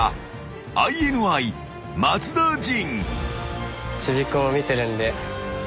ＩＮＩ松田迅］